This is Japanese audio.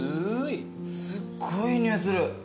すっごいいい匂いする。